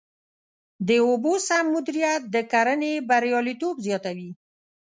د اوبو سم مدیریت د کرنې بریالیتوب زیاتوي.